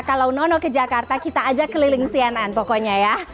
kalau nono ke jakarta kita ajak keliling cnn pokoknya ya